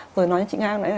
rồi nói với chị nga